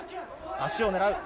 足を狙う。